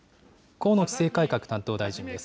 河野規制改革担当大臣です。